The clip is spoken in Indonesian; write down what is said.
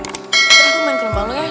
kita main ke tempat lo ya